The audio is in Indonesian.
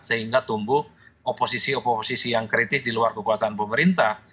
sehingga tumbuh oposisi oposisi yang kritis di luar kekuasaan pemerintah